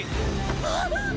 あっ！